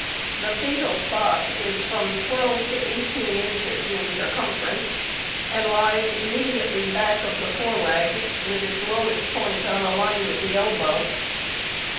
The fatal spot is from 12 to 18 inches in circumference, and lies immediately back of the fore leg, with its lowest point on a line with the elbow.